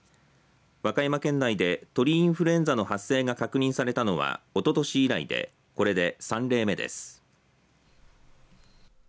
和歌山県内で鳥インフルエンザの発生が確認されたのはおととし以来でこれで３例目です。